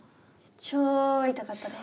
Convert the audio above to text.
超痛かったです。